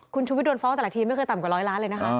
คุณชุวิตโดนฟ้องแต่ละทีไม่เคยต่ำกว่าร้อยล้านเลยนะคะ